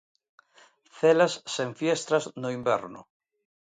Celas sen fiestras no inverno.